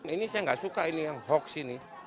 ini saya nggak suka ini yang hoax ini